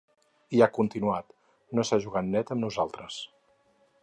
I ha continuat: No s’ha jugat net amb nosaltres.